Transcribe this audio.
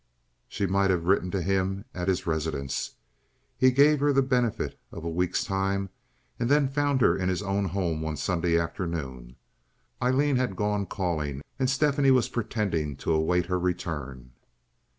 She might have written to him at his residence. He gave her the benefit of a week's time, and then found her in his own home one Sunday afternoon. Aileen had gone calling, and Stephanie was pretending to await her return.